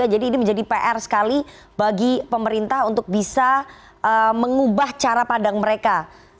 jadi ini menjadi pr sekali bagi pemerintah untuk bisa mengubah cara padang mereka